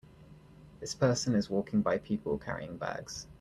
This person is walking by people carrying bags.